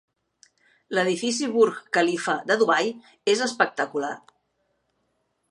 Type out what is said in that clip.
L'edifici Burj Khalifa de Dubai és espectacular.